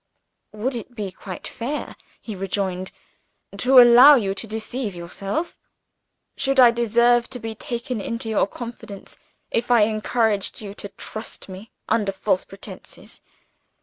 "Would it have been quite fair," he rejoined, "to allow you to deceive yourself? Should I deserve to be taken into your confidence, if I encouraged you to trust me, under false pretenses?